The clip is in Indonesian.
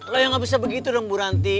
lo yang gak bisa begitu dong buranti